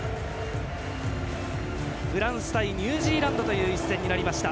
フランス対ニュージーランドという一戦になりました。